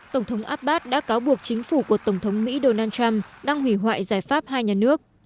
tổng thống abbas đã cáo buộc chính phủ của tổng thống mỹ donald trump đang hủy hoại giải pháp hai nhà nước